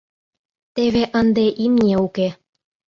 Теве ынде имне уке.